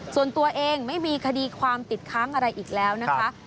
ส่วนตัวเองไม่มีคดีความติดค้างอะไรอีกแล้วนะคะ